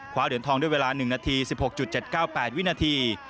ขว้เดือนทองด้วยเวลา๑นาที๑๖๗๙๘๘วินาที